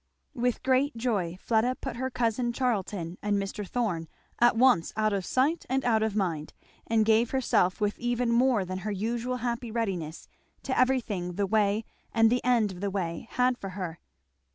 With great joy Fleda put her cousin Charlton and Mr. Thorn at once out of sight and out of mind; and gave herself with even more than her usual happy readiness to everything the way and the end of the way had for her.